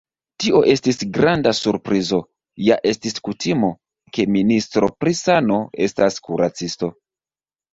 Tio estis granda surprizo, ja estis kutimo, ke ministro pri sano estas kuracisto.